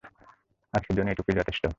আজকের জন্য এই টুকুই যথেষ্ট।